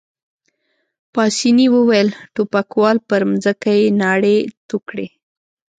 پاسیني وویل: ټوپکوال، پر مځکه يې ناړې تو کړې.